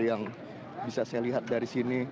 yang bisa saya lihat dari sini